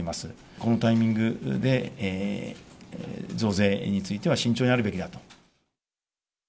このタイミングで増税については、慎重になるべきだと。